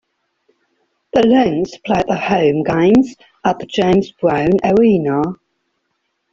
The Lynx played their home games at the James Brown Arena.